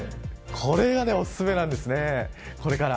これがおすすめなんですね。